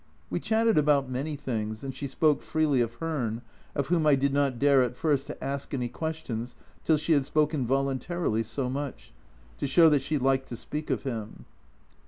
We chatted about many things, and she spoke freely of Hearn, of whom I did not dare at first to ask any questions till she had spoken voluntarily so much, to show that she liked to speak of him.